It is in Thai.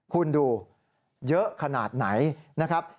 คุณดูเยอะขนาดไหนนะครับ